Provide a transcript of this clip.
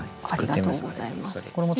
ありがとうございます。